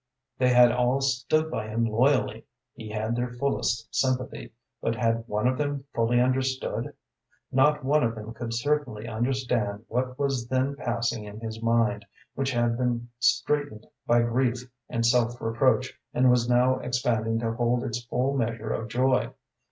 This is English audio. They had all stood by him loyally; he had their fullest sympathy; but had one of them fully understood? Not one of them could certainly understand what was then passing in his mind, which had been straitened by grief and self reproach, and was now expanding to hold its full measure of joy.